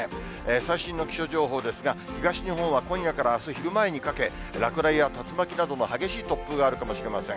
最新の気象情報ですが、東日本は今夜からあす昼前にかけ、落雷や竜巻などの激しい突風があるかもしれません。